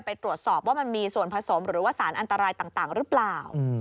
ไปตรวจสอบว่ามันมีส่วนผสมหรือว่าสารอันตรายต่างหรือเปล่า